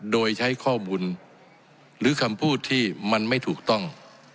โดยใช้ข้อมูลหรือคำพูดที่มันไม่ถูกต้อง